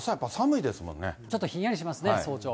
ちょっとひんやりしますね、早朝。